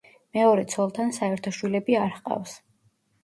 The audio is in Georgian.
მეორე ცოლთან საერთო შვილები არ ჰყავს.